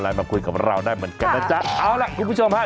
มาคุยกับเราได้เหมือนกันนะจ๊ะเอาล่ะคุณผู้ชมฮะ